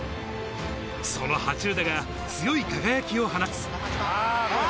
その羽中田が強い輝きを放つ。